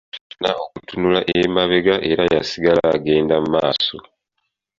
Yagaana okutunula emabega era yasigala agenda mu maaso.